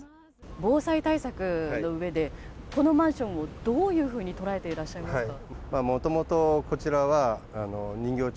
防災対策のうえでこのマンションをどういうふうに捉えていらっしゃいますか。